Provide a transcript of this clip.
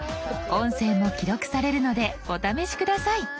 音声も記録されるのでお試し下さい。